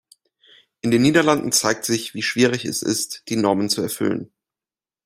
In den Niederlanden zeigt sich, wie schwierig es ist, die Normen zu erfüllen.